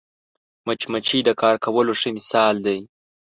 مچمچۍ د کار کولو ښه مثال دی